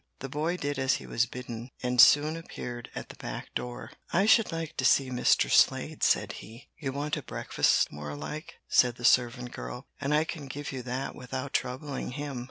The boy did as he was bidden, and soon appeared at the back door. "I should like to see Mr. Slade," said he. "You want a breakfast, more like," said the servant girl, "and I can give you that without troubling him."